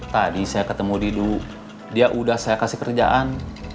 tadi saya ketemu didu dia udah saya kasih kerjaan